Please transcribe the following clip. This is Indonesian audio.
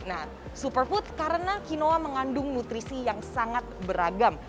nah superfoods karena quinoa mengandung nutrisi yang sangat beragam